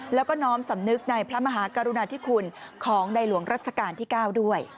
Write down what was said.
แล้วก็น้อมสำนึกในพระมหากรุณาธิคุณของในหลวงรัชกาลที่๙ด้วย